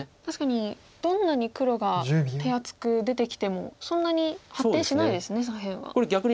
確かにどんなに黒が手厚く出てきてもそんなに発展しないですね左辺は。